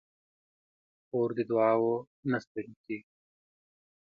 خور د دعاوو نه ستړې کېږي.